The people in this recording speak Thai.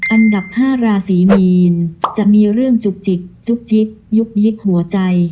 อันดับ๕ราศีมีนจะมีเรื่องจุกจิกจุกจิกยุบลึกหัวใจ